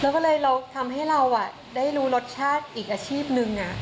แล้วก็เลยเราทำให้เราได้รู้รสชาติอีกอาชีพหนึ่ง